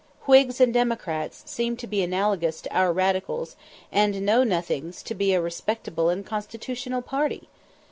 "Whigs and Democrats" seemed to be analogous to our Radicals, and "Know Nothings" to be a respectable and constitutional party.